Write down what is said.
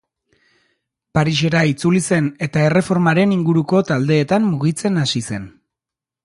Parisera itzuli zen eta Erreformaren inguruko taldeetan mugitzen hasi zen.